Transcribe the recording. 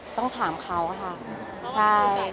ต้องถามเขาค่ะ